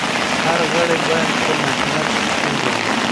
هر غړی بايد خپل مسؤليت پيژني.